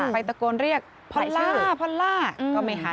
ไปตะโกนเรียกพระล่าพระล่าก็ไม่หันมา